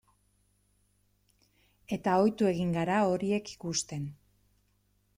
Eta ohitu egin gara horiek ikusten.